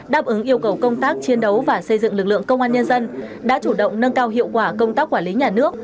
đáp ứng yêu cầu công tác chiến đấu và xây dựng lực lượng công an nhân dân đã chủ động nâng cao hiệu quả công tác quản lý nhà nước